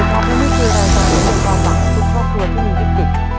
ขอขอบคุณที่มีความรักของคุณครอบครัวที่มีวิกฤต